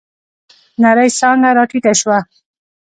نرۍ څانگه راټيټه شوه.